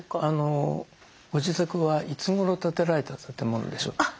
ご自宅はいつごろ建てられた建物でしょうか？